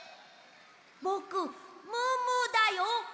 ぼくムームーだよ！